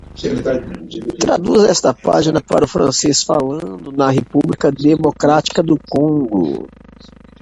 Traduza esta página para o francês falado na República Democrática do Congo